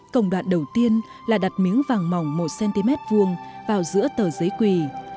công đoạn đầu tiên là đặt miếng vàng mỏng một cm vuông vào giữa tờ giấy quỳ